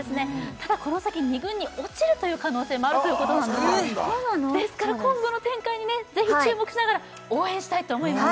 ただこの先２軍に落ちるという可能性もあるということなんですですから今後の展開にねぜひ注目しながら応援したいと思います